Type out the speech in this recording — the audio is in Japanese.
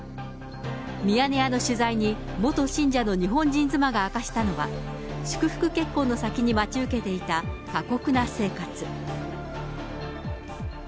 ミヤネ屋の取材に、元信者の日本人妻が明かしたのは、祝福結婚の先に待ち受けていた過酷な生活。